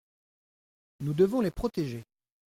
Nous devons les protéger.